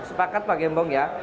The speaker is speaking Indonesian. sepakat pak gembong ya